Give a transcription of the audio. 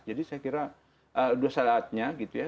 jadi saya kira dosa saatnya gitu ya